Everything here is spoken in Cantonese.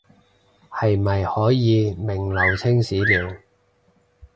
是咪可以名留青史了